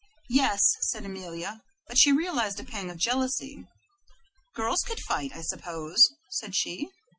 "Yes," said Amelia, but she realized a pang of jealousy. "Girls could fight, I suppose," said she.